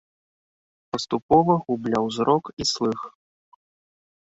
Паступова губляў зрок і слых.